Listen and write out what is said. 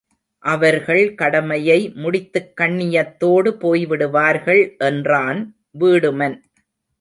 அவர்கள் கடமையை முடித்துக் கண்ணியத்தோடு போய்விடுவார்கள் என்றான் வீடுமன்.